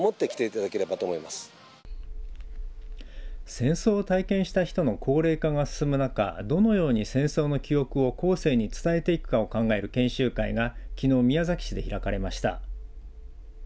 戦争を体験した人の高齢化が進む中どのように戦争の記憶を後世に伝えていくかを考える研修会がきのう宮崎市で開かれました。